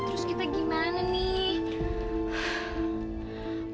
terus kita gimana nih